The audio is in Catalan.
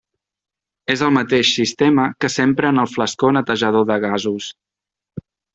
És el mateix sistema que s'empra en el flascó netejador de gasos.